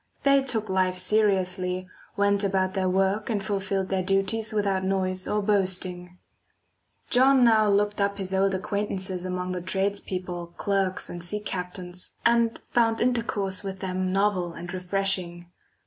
They took life seriously, went about their work and fulfilled their duties without noise or boasting. John now looked up his old acquaintances among the tradespeople, clerks, and sea captains, and found intercourse with them novel and refreshing.